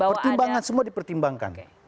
pertimbangan semua dipertimbangkan